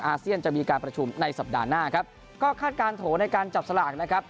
อาเซียนจะมีการประชุมในสัปดาห์หน้าครับก็คาดการณ์โถในการจับสลากนะครับ